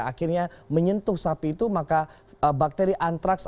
akhirnya menyentuh sapi itu maka bakteri antraks